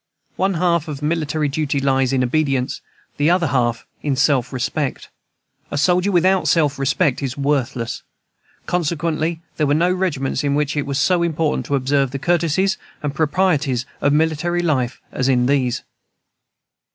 One half of military duty lies in obedience, the other half in self respect. A soldier without self respect is worthless. Consequently there were no regiments in which it was so important to observe the courtesies and proprieties of military life as in these.